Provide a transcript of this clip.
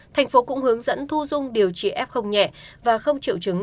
thành phố cũng hướng dẫn thu dung điều trị f nhẹ và không triệu chứng